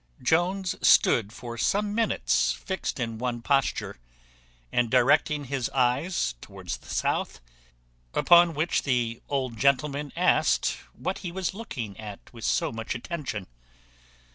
Jones stood for some minutes fixed in one posture, and directing his eyes towards the south; upon which the old gentleman asked, What he was looking at with so much attention?